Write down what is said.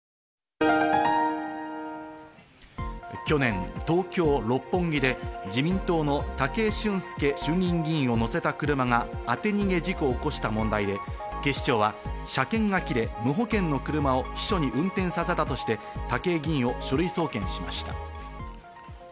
去年、東京・六本木で自民党の武井俊輔衆議院議員を乗せた車が当て逃げ事故を起こした問題で警視庁は車検が切れ、無保険の車を秘書に運転させたとして、武井議員を書類送検しました。